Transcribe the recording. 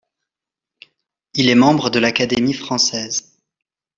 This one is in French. Il est membre de l'Académie française.